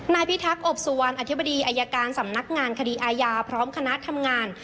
พิทักษอบสุวรรณอธิบดีอายการสำนักงานคดีอาญาพร้อมคณะทำงาน